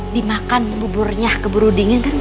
dimakan buburnya keburu dingin kan gak enak